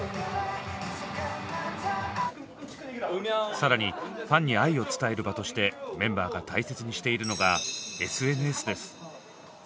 更にファンに愛を伝える場としてメンバーが大切にしているのがＳＮＳです。